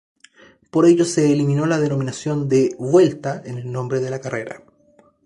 Por ello se eliminó la denominación de "Vuelta" en el nombre de la carrera.